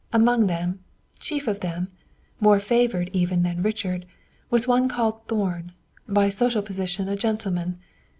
Among them, chief of them, more favored even than Richard, was one called Thorn, by social position a gentleman.